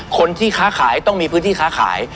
คนที่ค้าขายต้องมีพื้นที่ค้าขาย